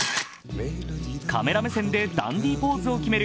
カメラ目線でダンディポーズを決める